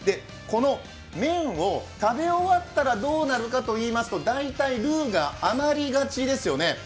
この麺を食べ終わったらどうなるかといいますと大体、ルーが余りがちですよね。